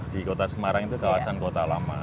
di kota semarang itu kawasan kota lama